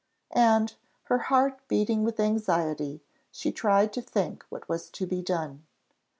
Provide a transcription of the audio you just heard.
'" And, her heart beating with anxiety, she tried to think what was to be done.